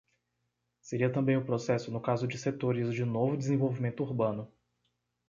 Seria também o processo no caso de setores de novo desenvolvimento urbano.